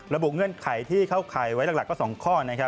ระบุเงื่อนไขที่เข้าไขไว้หลักก็๒ข้อ